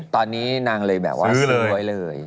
ตอนนี้นางเลยแบบว่าซื้อไว้เลย